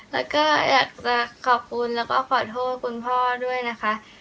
แล้วก็อยากจะขอบคุณแล้วก็ขอโทษคุณพ่อด้วยนะคะ